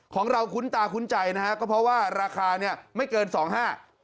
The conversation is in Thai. ของคุณตาคุ้นใจนะฮะก็เพราะว่าราคาเนี่ยไม่เกินสองห้า